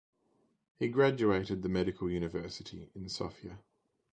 He graduated the Medical University in Sofia.